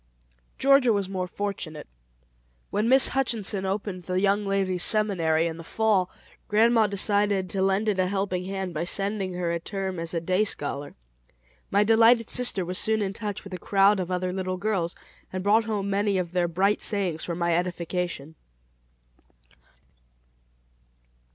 Georgia was more fortunate. When Miss Hutchinson opened "The Young Ladies' Seminary" in the Fall, grandma decided to lend it a helping hand by sending her a term as a day scholar. My delighted sister was soon in touch with a crowd of other little girls, and brought home many of their bright sayings for my edification.